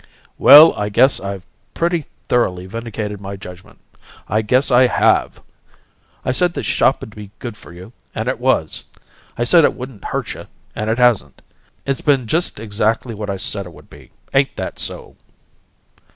"Well, I guess I've pretty thoroughly vindicated my judgement. I guess I HAVE! I said the shop'd be good for you, and it was. I said it wouldn't hurt you, and it hasn't. It's been just exactly what I said it would be. Ain't that so?"